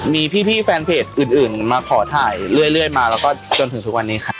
มีพี่พี่แฟนเพจอื่นอื่นมาขอถ่ายเรื่อยเรื่อยมาแล้วก็จนถึงทุกวันนี้ค่ะ